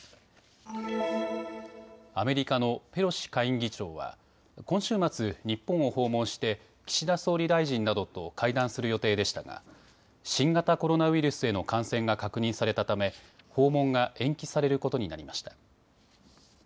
アメリカのペロシ下院議長は今週末、日本を訪問して岸田総理大臣などと会談する予定でしたが新型コロナウイルスへの感染が確認されたため訪問が延期されることになりました。